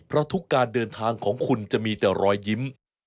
เพราะทุกการเดินทางของคุณจะมีแต่รอยยิ้ม